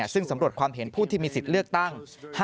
ซึ่งสำรวจความเห็นผู้ที่มีสิทธิ์เลือกตั้ง